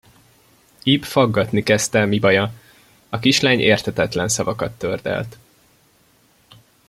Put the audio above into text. Ib faggatni kezdte, mi baja: a kislány érthetetlen szavakat tördelt.